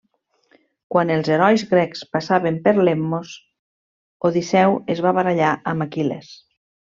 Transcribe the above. Quan els herois grecs passaven per Lemnos, Odisseu es va barallar amb Aquil·les.